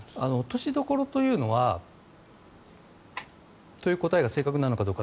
落としどころというのはという答えが正確なのか